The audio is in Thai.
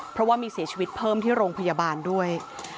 เพราะว่ามีเสียชีวิตเพิ่มที่โรงพยาบาลด้วย